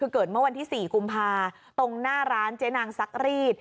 คือเกิดเมื่อวันที่๔กุมภาตรงหน้าร้านเจ๊นางซักรีด